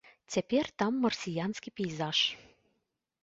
Цяпер там марсіянскі пейзаж.